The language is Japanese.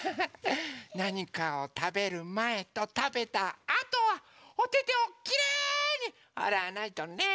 なにかをたべるまえとたべたあとはおててをきれいにあらわないとね！